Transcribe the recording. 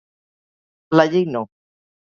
La Llei No.